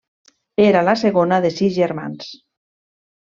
Era la segona de sis germans.